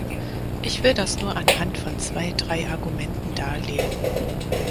Ich will das nur anhand von zwei, drei Argumenten darlegen.